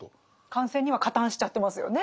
感染には加担しちゃってますよね